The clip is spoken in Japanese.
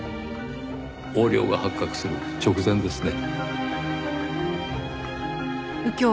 横領が発覚する直前ですね。